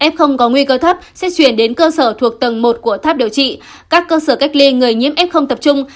f có nguy cơ thấp sẽ chuyển đến cơ sở thuộc tầng một của tháp điều trị các cơ sở cách ly người nhiễm f tập trung